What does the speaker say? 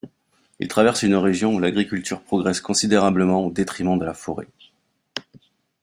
Il traverse une région où l'agriculture progresse considérablement au détriment de la forêt.